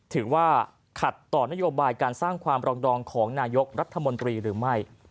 ถือว่าขัดต่อนโยบายการสร้างความปรองดองของนายกรัฐมนตรีหรือไม่